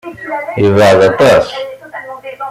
Yebɛed aṭas.